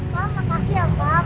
makasih ya pak